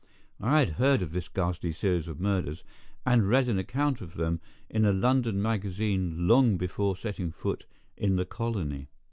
I had heard of this ghastly series of murders, and read an account of them in a London magazine long before setting foot in the colony.